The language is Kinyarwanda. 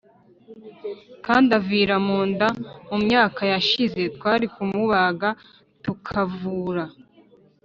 kandi avira mu nda Mu myaka yashize twari kumubaga tukavura